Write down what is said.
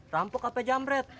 rampok kp jamret